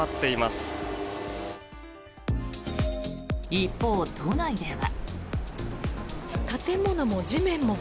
一方、都内では。